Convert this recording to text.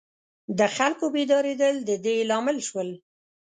د خلکو بیدارېدل د دې لامل شول.